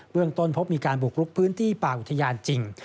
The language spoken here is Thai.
เรื่องต้นพบมีการบุกลุกพื้นที่ป่าอุทยานจริง